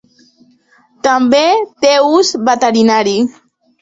També té ús veterinari.